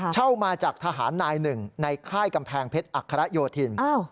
เช่ามาจากทหารนายหนึ่งในค่ายกำแพงเพชรอัคระโยธิน